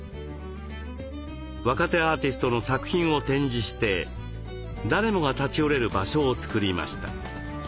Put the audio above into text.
若手アーティストの作品を展示して誰もが立ち寄れる場所をつくりました。